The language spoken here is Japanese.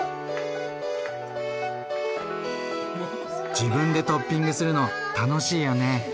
自分でトッピングするの楽しいよね。